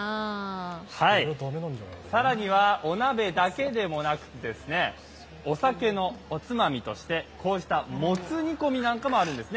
更にはお鍋だけでもなく、お酒のおつまみとしてこうしたもつ煮込みなんかもあるんですね。